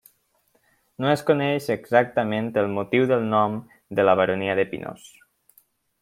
No es coneix exactament el motiu del nom de la Baronia de Pinós.